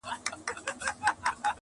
كه د زور تورو وهل د چا سرونه٫